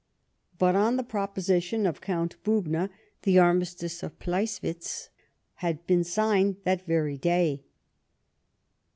But, on the proposition of Count Bubna, the armistice of Pleiswitz had been signed that vei y day.